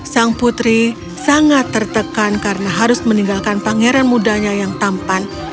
sang putri sangat tertekan karena harus meninggalkan pangeran mudanya yang tampan